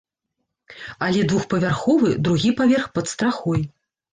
Але двухпавярховы, другі паверх пад страхой.